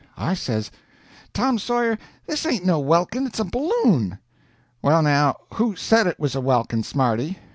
I says: "Tom Sawyer, this ain't no welkin, it's a balloon." "Well, now, who said it was a welkin, smarty?"